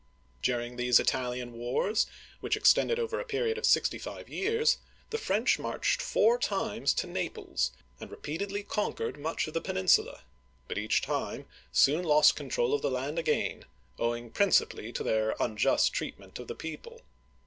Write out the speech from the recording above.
During these Italian Wars, which extended over a period of sixty five years, the French marched four times to Naples, and repeatedly conquered much of the peninsula, but each time soon lost control of the land again, owing principally to their unjust treatment of the people.